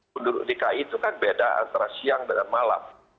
penduduk dki itu kan beda antara siang dan malam